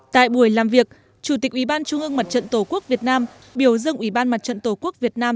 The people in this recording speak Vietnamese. tại buổi làm việc chủ tịch ủy ban trung ương mặt trận tổ quốc việt nam biểu dương ủy ban mặt trận tổ quốc việt nam